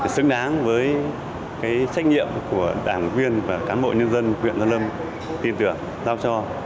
xứng đáng với trách nhiệm của đảng viên và cán bộ nhân dân huyện gia lâm